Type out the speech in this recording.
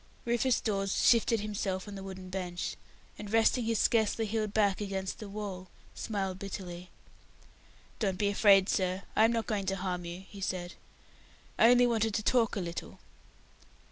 Rufus Dawes shifted himself on the wooden bench, and resting his scarcely healed back against the wall, smiled bitterly. "Don't be afraid, sir; I am not going to harm you," he said. "I only wanted to talk a little."